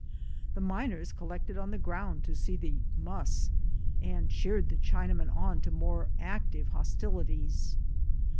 The miners collected on the ground to see the "muss," and cheered the Chinamen on to more active hostilities.